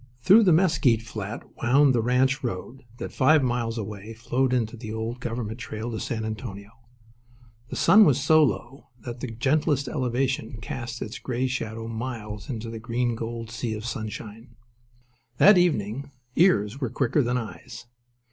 Through the mesquite flat wound the ranch road that, five miles away, flowed into the old government trail to San Antonio. The sun was so low that the gentlest elevation cast its grey shadow miles into the green gold sea of sunshine. That evening ears were quicker than eyes.